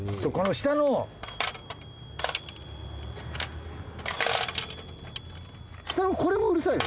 下のこれもうるさいね。